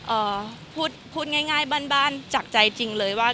เอ่อพูดพูดง่ายบ้านจากใจจริงเลยว่า